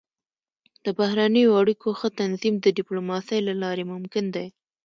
د بهرنیو اړیکو ښه تنظیم د ډيپلوماسۍ له لارې ممکن دی.